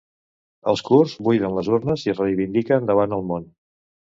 Els kurds buiden les urnes i es reivindiquen davant el món.